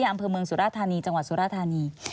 อำเภอเมืองสุราธานีจังหวัดสุราธานี